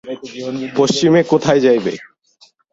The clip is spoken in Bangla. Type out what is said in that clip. পশ্চিমে কোথায় যাইবে।